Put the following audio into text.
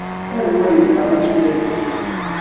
Anwa i yebɣan tilelli?